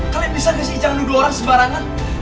kalian bisa ga sih jangan nuduh orang sebarangan